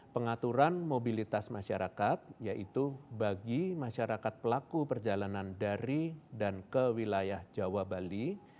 pengaturan mobilitas masyarakat yaitu bagi masyarakat pelaku perjalanan dari dan ke wilayah jawa bali